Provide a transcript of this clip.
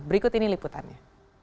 berikut ini liputannya